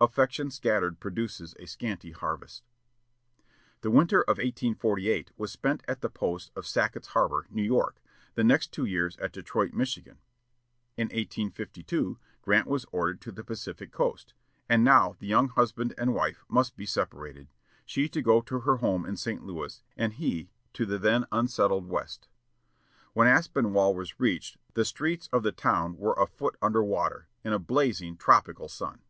Affection scattered produces a scanty harvest. The winter of 1848 was spent at the post at Sackett's Harbor, New York; the next two years at Detroit, Michigan. In 1852, Grant was ordered to the Pacific coast. And now the young husband and wife must be separated; she to go to her home in St. Louis, and he to the then unsettled West. When Aspinwall was reached the streets of the town were a foot under water, in a blazing, tropical sun.